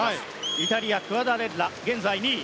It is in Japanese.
イタリア、クアダレッラ現在２位。